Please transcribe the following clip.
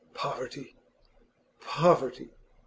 Poverty! Poverty!